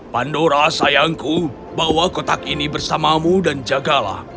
pandora sayangku bawa kotak ini bersamamu dan jagalah